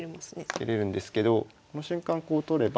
受けれるんですけどこの瞬間こう取れば。